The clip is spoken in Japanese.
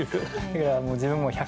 いやもう自分もうわあ。